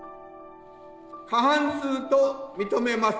過半数と認めます。